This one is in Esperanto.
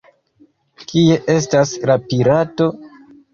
Kie estas la pirato?